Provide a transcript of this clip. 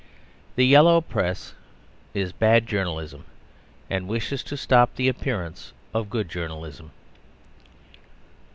The Yellow Press is bad journalism: and wishes to stop the appearance of good journalism.